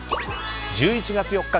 １１月４日